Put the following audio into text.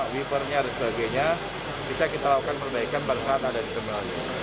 wipernya dan sebagainya bisa kita lakukan perbaikan barang saat ada di tempat ini